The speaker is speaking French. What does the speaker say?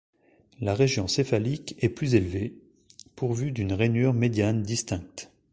La région céphalique est plus élevée, pourvue d'une rainure médiane distincte.